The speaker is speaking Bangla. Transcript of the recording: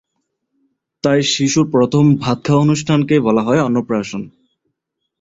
তাই শিশুর প্রথম ভাত খাওয়া অনুষ্ঠানকেই বলা হয় অন্নপ্রাশন।